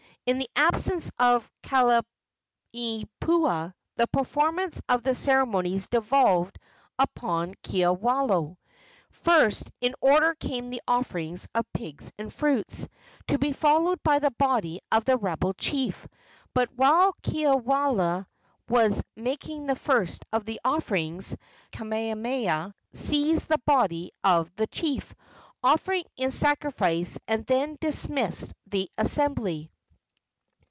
In the absence of Kalaniopuu the performance of the ceremonies devolved upon Kiwalao. First in order came the offerings of pigs and fruits, to be followed by the body of the rebel chief; but while Kiwalao was making the first of the offerings, Kamehameha seized the body of the chief, offered it in sacrifice and then dismissed the assembly.